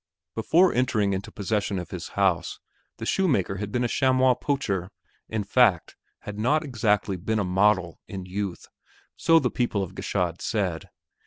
Before entering into possession of his house, the shoemaker had been a chamois poacher in fact, had not exactly been a model in youth, so the people of Gschaid said.